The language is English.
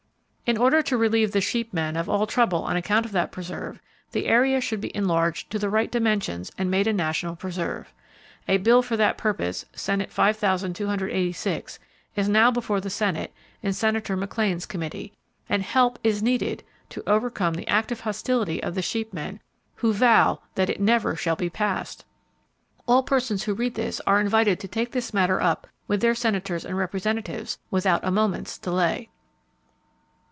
In order to relieve the sheep men of all trouble on account of that preserve, the area should be enlarged to the right dimensions and made a national preserve. A bill for that purpose (Senate 5,286) is now before the Senate, in Senator McLean's Committee, and help is needed to overcome the active hostility of the sheep men, who vow that it never shall be passed! All persons who read this are invited to take this matter up with their Senators and Representatives, without a moment's delay.